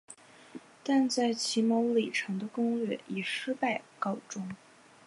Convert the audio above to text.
但在骑牟礼城的攻略以失败告终。